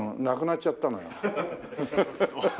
亡くなっちゃったのよ。